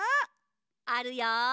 あるよ。